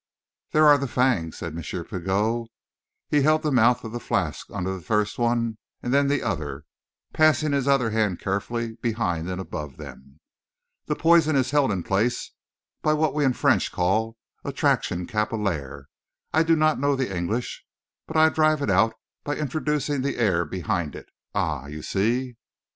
"There are the fangs," said M. Pigot. He held the mouth of the flask under first one and then the other, passing his other hand carefully behind and above them. "The poison is held in place by what we in French call attraction capillaire I do not know the English; but I drive it out by introducing the air behind it ah, you see!"